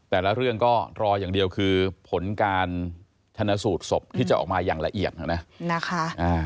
แต่ละเรื่องก็รออย่างเดียวคือผลการชนะสูตรศพที่จะออกมาอย่างละเอียดนะนะคะ